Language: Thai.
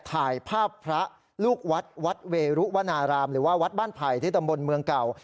ถ่ายภาพพระลูกวัดวัดเวรุวนารามหรือว่าวัดบ้านไผ่ที่ตำบลเมืองเก่า